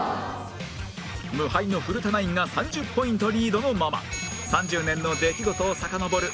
無敗の古田ナインが３０ポイントリードのまま３０年の出来事をさかのぼる